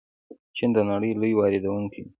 چین د نړۍ لوی واردونکی دی.